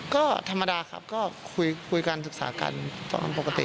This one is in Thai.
ก็ธรรมดาครับก็คุยกันศึกษากันตอนปกติ